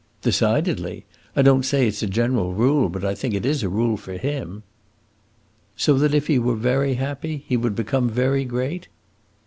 "Decidedly. I don't say it 's a general rule, but I think it is a rule for him." "So that if he were very happy, he would become very great?"